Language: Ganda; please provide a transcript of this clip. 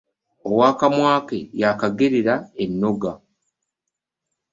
Ow'akamwa ke y'akagerera ennoga .